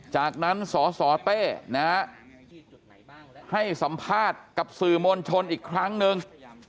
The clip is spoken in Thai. จากนั้นสสเต้นะฮะให้สัมภาษณ์กับสื่อมวลชนอีกครั้งนึง